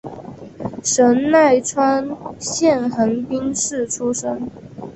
神奈川县横滨市出身。